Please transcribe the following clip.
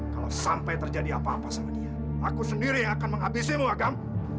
kalau sampai terjadi apa apa sama dia aku sendiri yang akan menghabisi muagam